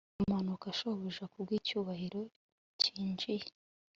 kumanuka, shobuja, kubwicyubahiro cyinjiye